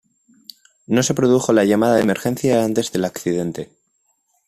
No se produjo llamada de emergencia antes del accidente.